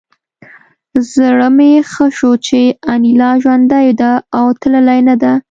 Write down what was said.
زړه مې ښه شو چې انیلا ژوندۍ ده او تللې نه ده